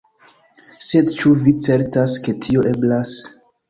Sed ĉu vi certas ke tio eblas?